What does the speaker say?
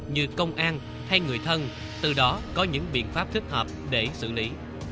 như công an hay người thân từ đó có những biện pháp thích hợp để xử lý